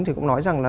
thì cũng nói rằng là